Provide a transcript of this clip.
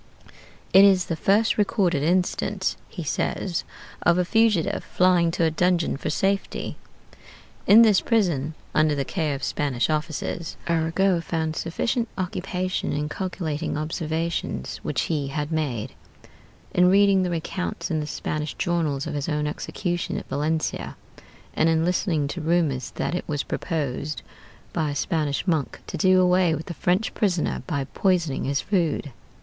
It is the first recorded instance, he says, of a fugitive flying to a dungeon for safety. In this prison, under the care of Spanish officers, Arago found sufficient occupation in calculating observations which he had made; in reading the accounts in the Spanish journals of his own execution at Valencia; and in listening to rumors that it was proposed (by a Spanish monk) to do away with the French prisoner by poisoning his food.